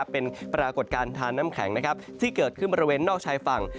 เป็นปรากฏการณ์ทานน้ำแข็งที่เกิดขึ้นบริเวณนอกชายฝั่ง